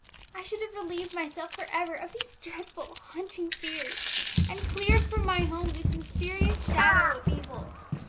I should have relieved myself for ever of these dreadful, haunting fears, and cleared from my home this mysterious shadow of evil.